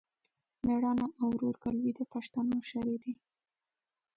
مېړانه او ورورګلوي د پښتنو شری دی.